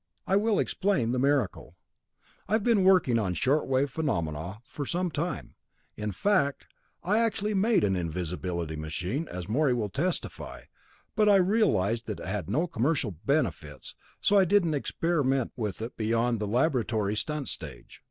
I will explain the miracle. I have been working on short wave phenomena for some time. In fact, I had actually made an invisibility machine, as Morey will testify, but I realized that it had no commercial benefits, so I didn't experiment with it beyond the laboratory stunt stage.